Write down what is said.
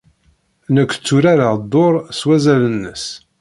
Nekk tturareɣ dduṛ s wazal-nnes.